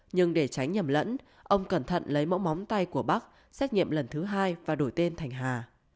nhưng để tránh nhầm lẫn ông cẩn thận lấy mẫu móng tay của bác xét nghiệm lần thứ hai và đổi tên thành hà